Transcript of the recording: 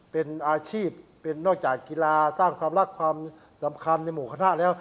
เป็นอาชีพเป็นนอกจากกีฬาสร้างความรักความสำคัญในหมู่คณะแล้ว